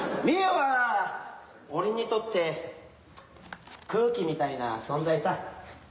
美優は俺にとって空気みたいな存在さ。